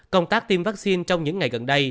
công tác tiêm vaccine trong những ngày gần đây